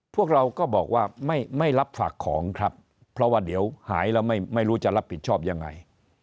พวกเราก็บอกว่าไม่รับฝากของครับเพราะว่าเดี๋ยวหายแล้วไม่รู้จะรับผิดชอบยังไง